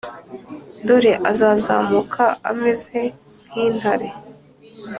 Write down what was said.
Dore azazamuka ameze nk intare